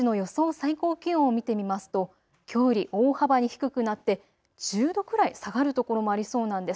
最高気温を見てみますと、きょうより大幅に低くなって１０度くらい下がる所もありそうなんです。